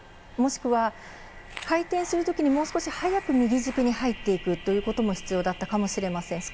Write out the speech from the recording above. もしくは、回転するときにもう少し早く右軸に入っていくということも必要だったかもしれません。